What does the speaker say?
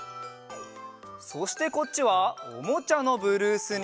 そしてこっちは「おもちゃのブルース」に。